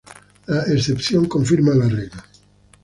La excepción confirma la regla